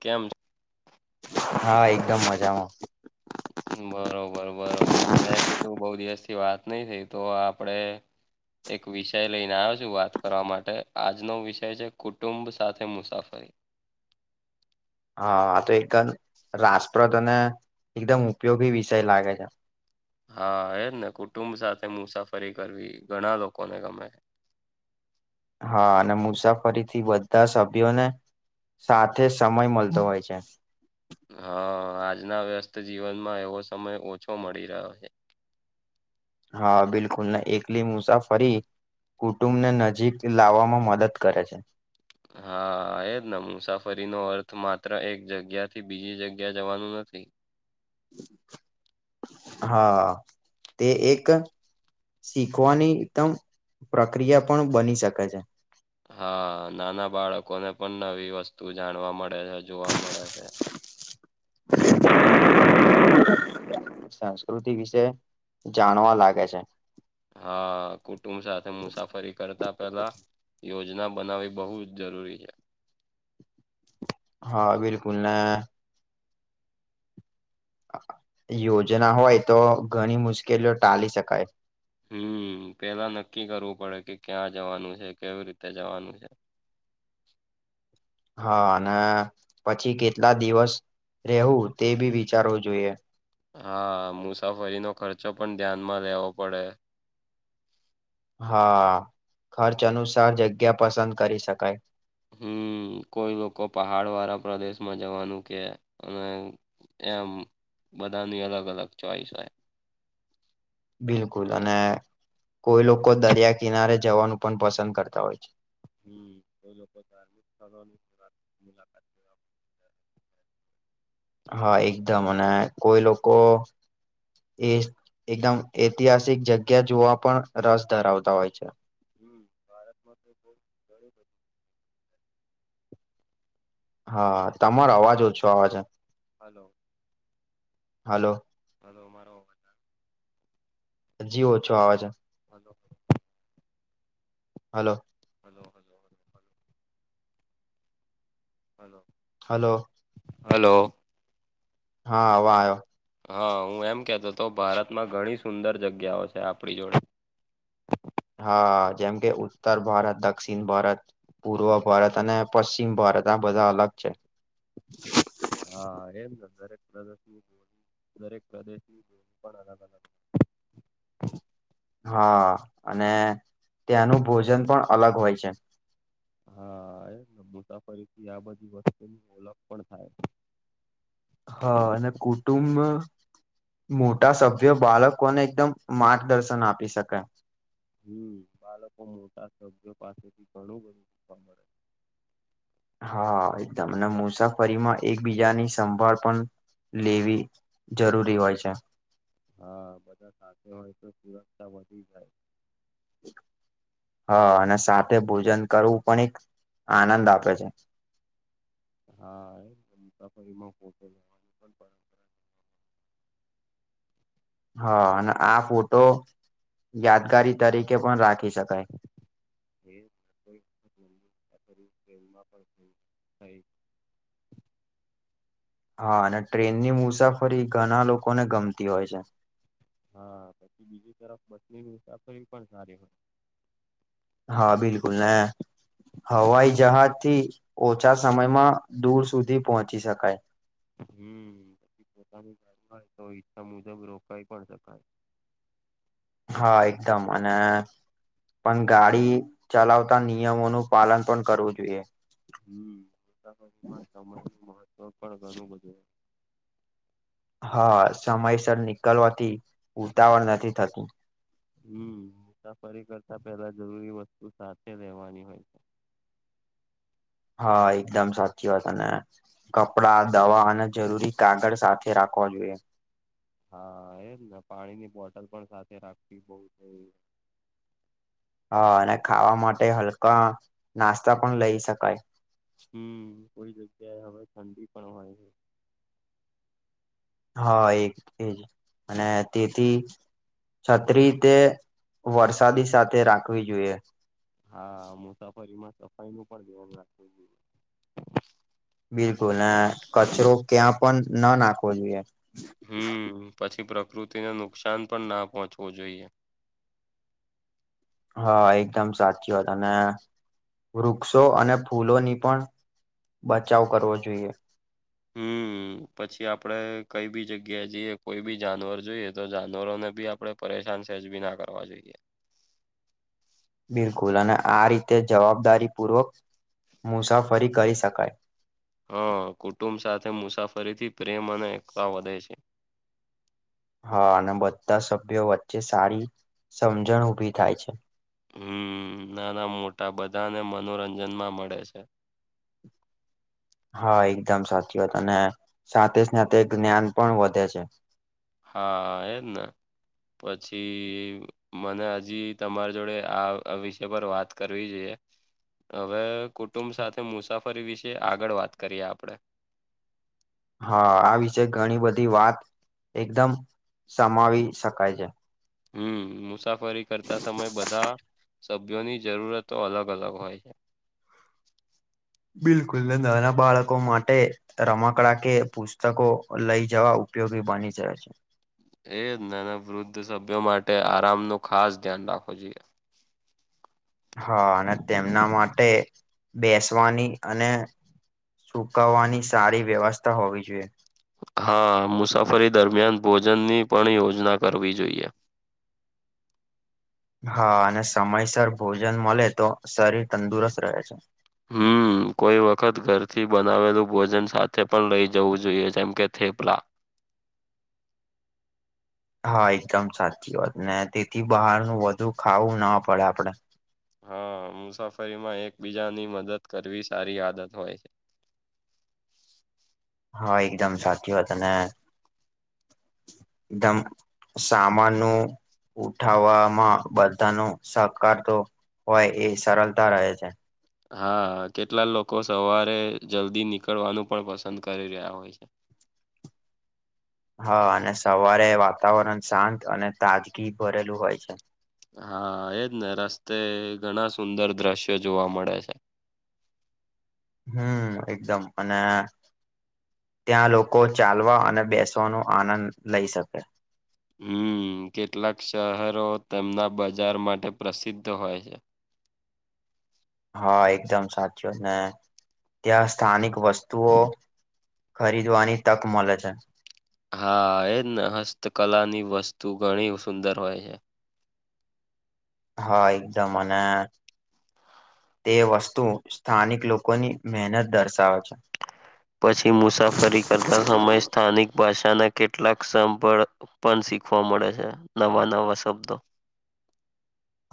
કેમ હા એકદમ મજામાં બરોબર બરોબર મેં કીધું બહુ દિવસ થી વાત નઈ થઈ તો આપડે એક વિષય લઈને આવ્યો છું વાત કરવા માટે આજનો વિષય છે કુટુંબ સાથે મુસાફરી હા આ તો એકદમ રાસપ્રદ અને એકદમ ઉપયોગી વિષય લાગે છે હા એજ ને કુટુંબ સાથે મુસાફરી કરવી ઘણા લોકોને ગમે હા અને મુસાફરી થી બધા સભ્યોને સાથે સમય મળતો હોય છે હા આજના વ્યસ્ત જીવનમાં એવો સમય ઓછો મળી રહ્યો છે હા બિલકુલ ના એકલી મુસા ફરી કુટુંબને નજીક લાવવામાં મદદ કરે છે હા એજ ને મુસાફરી નો અર્થ માત્ર એક જગ્યા થી બીજી જગ્યા જવાનું નથી [inaudible] હા તે એક શીખવાની એકદમ પ્રક્રિયા પણ બની શકે છે હા નાના બાળકો ને પણ નવી વસ્તુ જાણવા મળે છે જોવા મળે છે સંસ્કૃતિ વિશે જાણવા લાગે છે હા કુટુંબ સાથે મુસાફરી કરતા પેલા યોજના બનાવવી બહુ જ જરૂરી છે હા બિલકુલ ના યોજના હોય તો ઘણી મુશ્કેલીઓ ટાલી શકાય હમ પેલા નક્કી કરવું પડે કે ક્યાં જવાનું છે કેવી રીતે જવાનું છે હા અને પછી કેટલા દિવસ રહેવું તે બી વિચારવું જોઈએ હા મુસાફરીનો ખર્ચો પણ ધ્યાનમાં લેવો પડે હા ખર્ચ અનુસાર જગ્યા પસંદ કરી શકાય હમ્મ કોઈ લોકો પહાડ વાળા પ્રદેશમાં જવાનું કે અને એમ બધાની અલગ અલગ ચોઈસ હોય બિલકુલ અને કોઈ લોકો દરિયા કિનારે જવાનું પણ પસંદ કરતા હોય છે હમ્મ એ લોકો ધાર્મિક સ્થળોની મુ મુલાકાત લેવા હા એકદમ અને કોઈ લોકો એ એકદમ ઐતિહાસિક જગ્યા જોવા પણ રસ ધરાવતા હોય છે હમ્મ ભારતમાં તો બ ગણી બધું હા તમારો અવાજ ઓછો આવે છે હલો હાલો હાલો મારો હજી ઓછો આવે છે hello hello hello hello hello hello hello હા હ વા આવ્યો હા હું એમ કેતો હતો ભારતમાં ઘણી સુંદર જગ્યાઓ છે આપણી જોડે હા જેમ કે ઉત્તર ભારત દક્ષિણ ભારત પૂર્વ ભારત અને પશ્ચિમ ભારત આ બધા અલગ છે હા એમ કે દરેક પ્રદેશની હો દરેક પ્રદેશની હો પણ અલગ અલગ હા અને ત્યાંનું ભોજન પણ અલગ હોય છે હા એમને મુસાફરી થી આ બધી વસ્તુની ઓળખ પણ થાય હા અને કુટુંબ મોટા સભ્ય બાળકોને એકદમ માર્ગદર્શન આપી શકાય હમ્મ બાળકો મોટા સભ્યો પાસેથી ઘણું બધું શીખવા મળે હા એકદમ ને મુસાફરીમાં એકબીજાની સંભાળ પણ લેવી જરૂરી હોય છે હા બધા સાથે હોય તો સુરક્ષા વધી જાય હ અને સાથે ભોજન કરવું પણ એક આનંદ આપે છે હા એમ [unintelligible] હા અને આ ફોટો યાદગારી તરીકે પણ રાખી શકાય છે કોઈ વખત લંબી મુસાફરી ટ્રેનમાં પણ થઈ થઈ હા અને ટ્રેન ની મુસાફરી ઘણા લોકોને ગમતી હોય છે હા. પછી બીજી તરફ બસની મુસાફરી પણ સારી હોય. હા, બિલકુલ ને હવાઈ જહાજ થી ઓછા સમયમાં દૂર સુધી પહોંચી શકાય. હમ્મ પછી પોતાની ઘરમાંય તો ઈચ્છા મુજબ રોકાઈ પણ શકાય હા એકદમ અને પણ ગાડી ચલાવતા નિયમોનું પાલન પણ કરવું જોઈએ હમ્મ મુસાફરી મા સમય નું મહત્વ પણ ઘણું બધું હા સમયસર નીકળવાથી ઉતાવળ નથી થતું હમ્મ. મુસાફરી કરતા પેલા જરૂરી વસ્તુ સાથે રહેેવાની હોય છે. હા, એકદમ સાચી વાત, અને કપડા, દવા અને જરૂરી કાગળ સાથે રાખવા જોઈએ. હા એજ ને. પાણી ની બોટલ પણ સાથે રાખવી [unintelligible] હા, અને ખાવા માટે હલકા નાસ્તા પણ લઈ શકાય. હમ્મ. કોઈ જગ્યાએ હવે ઠંડી પણ હોય છે. હા એક એજ. અને તેથી છત્રી તે વરસાદી સાથે રાખવી જોઈએ. હા. મુસાફરી માં સફાઈ નું પણ ધ્યાન રાખવું જોઈએ. બિલકુલ. અહ કચરો ક્યાં પણ ન નાખવો જોઈએ. હમ્મ. પછી પ્રકૃતિને નુકસાન પણ ના પહોંચવું જોઈએ. હા, એકદમ સાચી વાત. અને વૃક્ષો અને ફૂલોની પણ બચાવ કરવો જોઈએ હમ્મ. પછી આપડે કઈ બી જગ્યાએ જઈએ કોઈ બી જાનવર જોઈએ તો, જાનવરોને બી આપડે પરેશાન સહેજ બી ના કરવા જોઈએ. બિલકુલ. અને આ રીતે જવાબદારી પૂર્વક મુસાફરી કરી શકાય. હા. કુટુંબ સાથે મુસાફરીથી પ્રેમ અને એકતા વધે છે. હા. અને બધા સભ્યો વચ્ચે સારી સમજણ ઊભી થાય છે. હમ્મ, નાના મોટા બધાને મનોરંજન માં મળે છે. હા એકદમ સાચી વાત, અને સાથે-સાથે જ્ઞાન પણ વધે છે. હા એજ ને. પછી મને હજી તમારી જોડે આ વિષય પર વાત કરવી જોઈએ. હવે કુંટુંબ સાથે મુસાફરી વિશે આગળ વાત કરીએ આપણે. હા, આ વિશે ઘણી બધી વાત એકદમ સમાવી શકાય છે. હમ્મ. મુસાફરી કરતા સમય બધા સભ્યોની જરૂરતો અલગ-અલગ હોય છે. બિલકુલ. ને નાના બાળકો માટે રમકડા કે પુસ્તકો લઈ જવા ઉપયોગી બની જાય છે. એ જ. નાના વૃદ્ધ સભ્યો માટે આરામ નો ખાસ ધ્યાન રાખવો જોઈએ. હા અને તેમના માટે, બેસવાની અને સુકાવાની સારી વ્યવસ્થા હોવી જોઈએ. હા. મુસાફરી દરમિયાન ભોજન ની પણ યોજના કરવી જોઈએ. હા. અને સમયસર ભોજન મલે તો શરીર તંદુરસ્ત રહે છે. હમ્મ. હમ્મ. કોઈ વખત ઘરથી બનાવેલું ભોજન સાથે પણ લઇ જવું જોઈએ, જેમ કે થેપલા. હા, એકદમ સાચી વાત, ને તેથી બહારનું વધુ ખાવું ના પડે આપડે. હા, મુસાફરીમાં એકબીજાની મદદ કરવી સારી આદત હોય છે. હા, એકદમ સાચી વાત. અને [inaudible] ધમ સામાન નું ઉઠાવામાં બધા નું સહકાર તો હોય એ સરલતા રહે છે. હા. કેટલા લોકો સવારે જલ્દી નીકળવાનું પણ પસંદ કરી રહ્યા હોય છે. હા. અને સવારે વાતાવરણ શાંત અને તાજગી ભરેલું હોય છે. હા, એજ ને રસ્તે ઘણા સુંદર દ્રશ્ય જોવા મળે છે. હમ્મ, એકદમ અને ત્યાં લોકો ચાલવા અને બેસવાનો આનંદ લઈ શકે. હમ્મ, કેટલાક શહરો તેમના બજાર માટે પ્રસિદ્ધ હોય છે. હા, એકદમ સાચું, ને ત્યાં સ્થાનિક વસ્તુઓ ખરીદવાની તક મલે છે. હા, એજ ને હસ્તકલાની વસ્તુ ઘણી સુંદર હોય છે. હા, એકદમ અને તે વસ્તુ સ્થાનિક લોકોની મહેનત દર્શાવે છે. પછી મુસાફરી કરતા સમય સ્થાનિક ભાષાના કેટલાક સંભળ પણ શીખવા મળે છે નવા, નવા શબ્દો.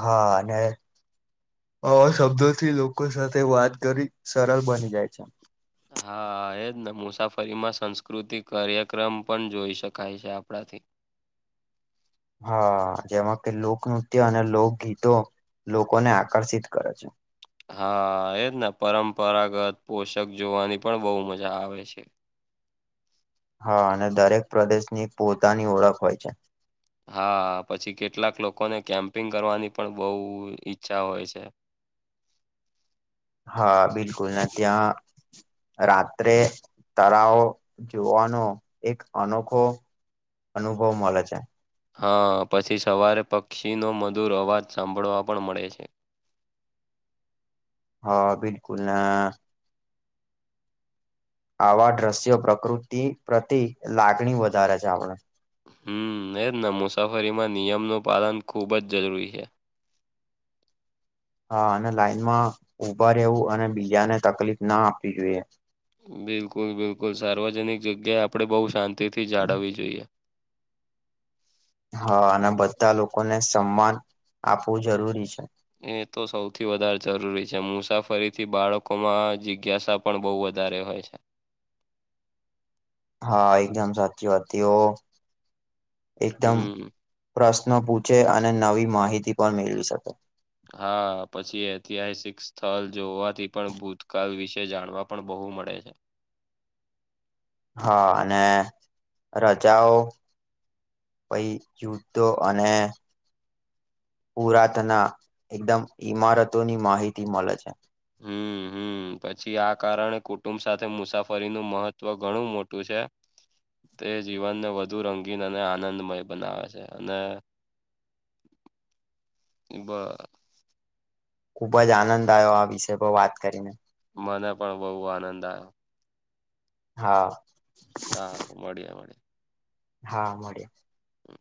હા અને અવા શબ્દોથી લોકો સાથે વાત કરી સરળ બની જાય છે. હા, એજ ને મુસાફરીમાં સંસ્કૃતિક કાર્યક્રમ પણ જોઈ શકાય છે આપળા થી. હા, જેમાં કે લોકનૃત્ય અને લોકગીતો લોકોને આકર્ષિત કરે છે. હા, એજ ને પરંપરાગત પોષાક જોવાની પણ બહુ મજા આવે છે. હા, અને દરેક પ્રદેશની પોતાની ઓળખ હોય છે. હા પછી કેટલાક લોકોને કેમ્પિંગ કરવાની પણ બહુ ઈચ્છા હોય છે. હા, બિલકુલ ને ત્યાં રાત્રે તરાવ જોવાનો એક અનોખો અનુભવ મલે છે. હા, પછી સવારે પક્ષીનો મધુર અવાજ સાંભળવા પણ મળે છે. હા, બિલકુલ ને આવા દ્રશ્યો પ્રકૃતિ પ્રતિ લાગણી વધારે છે આપળે. હમ્મ, એજ ને મુસાફરીમાં નિયમનો પાલન ખૂબ જ જરૂરી છે. હા, અને લાઈનમાં ઉભા રેવું અને બીજાને તકલીફ ના આપી જોઈએ. બિલકુલ બિલકુલ સાર્વજનિક જગ્યાએ આપળે બો શાંતિથી જાનાવી જોઈએ. હા અને બધા લોકોને સન્માન આપવું જરૂરી છે. એ તો સૌથી વધારે જરૂરી છે મુસાફરીથી બાળકોમાં જિજ્ઞાસા પણ બહુ વધારે હોય છે. હા, એકદમ સાચી વાત થી ઓ એકદમ હમ પ્રશ્નો પૂછે અને નવી માહિતી પણ મેળવી શકે. હા, પછી ઐતિહાસિક સ્થલ જોવાથી પણ ભૂતકાળ વિશે જાણવા પણ બહુ મળે છે. હા, અને રજાઓ પહી યુધ્ધો અને પુરાતના એકદમ ઈમારતોની માહિતી મલે છે. હમ્મ, હમ્મ. હમ્મ, પછી આ કારણે કુટુંબ સાથે મુસાફરીનું મહત્વ ઘણું મોટું છે. તે જીવનને વધુ રંગીન અને આનંદમય બનાવે છે અને એબા ખુબ જ આનંદ આવ્યો આ વિષય પર વાત કરીને. મને પણ બહુ આનંદ આયો. હા. સારું મળીએ મળીએ. હા મળીએ. હમ્મ.